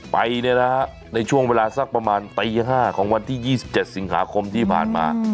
ไปในช่วงเวลาสักประมาณตี๕ของวันที่๒๗สิงหาคมที่ผ่านมา